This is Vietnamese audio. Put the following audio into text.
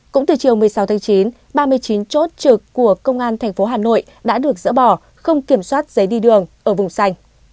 cũng từ chiều một mươi sáu tháng chín ba mươi chín chỗ trực của công an thành phố hà nội đã được dỡ bỏ không kiểm soát giấy đi đường ở vùng xanh